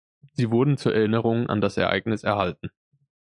Sie wurden zur Erinnerung an das Ereignis erhalten.